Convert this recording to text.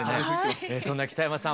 そんな北山さん